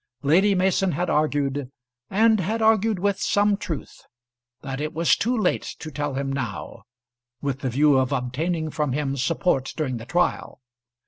Lady Mason had argued, and had argued with some truth, that it was too late to tell him now, with the view of obtaining from him support during the trial.